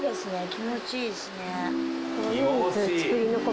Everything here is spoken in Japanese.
気持ちいいですね。